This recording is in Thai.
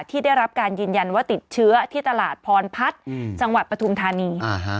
ที่ได้รับการยืนยันว่าติดเชื้อที่ตลาดพรพัฒน์จังหวัดปฐุมธานี